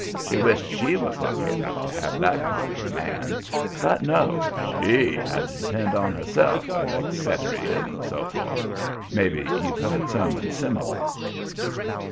She wished she was lucky enough to have that kind of a man; but no, SHE had to depend on herself, and etcetery and so forth. Maybe you've heard sermons similar.